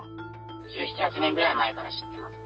１７、８年ぐらい前から知ってますね。